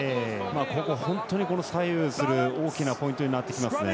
ここ、本当に左右する大きなポイントになってきますね。